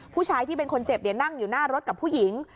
ผู้ชายที่เป็นคนเจ็บนั่งอยู่หน้ารถกับผู้หญิง